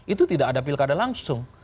itu tidak ada pilkada langsung